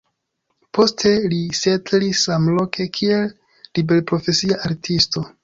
Poste li setlis samloke kiel liberprofesia artisto.